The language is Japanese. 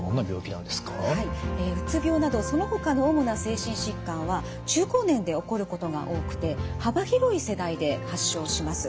うつ病などそのほかの主な精神疾患は中高年で起こることが多くて幅広い世代で発症します。